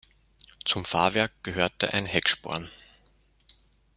Zum Fahrwerk gehörte ein Hecksporn.